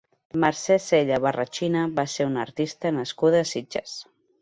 Mercè Sella Barrachina va ser una artista nascuda a Sitges.